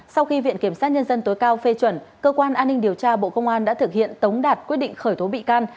sau khi viện kiểm sát nhân dân tối cao phê chuẩn cơ quan an ninh điều tra bộ công an đã thực hiện tống đạt quyết định khởi tố bị can